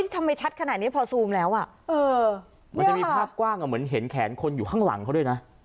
ทำไมชัดขนาดนี้พอซูมแล้วมันจะมีภาพกว้างเหมือนเห็นแขนคนอยู่ข้างหลังเขาด้วยนะ